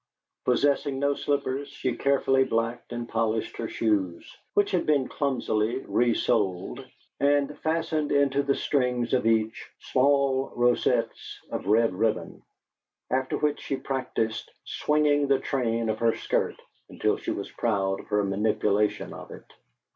Possessing no slippers, she carefully blacked and polished her shoes, which had been clumsily resoled, and fastened into the strings of each small rosettes of red ribbon; after which she practised swinging the train of her skirt until she was proud of her manipulation of it.